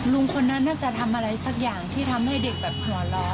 ลุงคนนั้นน่าจะทำอะไรสักอย่างที่ทำให้เด็กแบบหัวเราะ